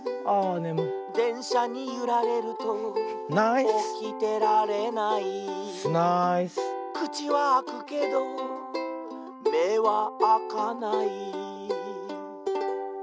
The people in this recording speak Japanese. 「でんしゃにゆられるとおきてられない」「くちはあくけどめはあかない」